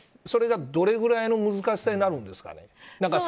それがどれぐらいの難しさになるんですかね。